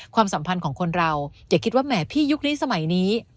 ความสัมพันธ์ของคนเราอย่าคิดว่าแหมพี่ยุคนี้สมัยนี้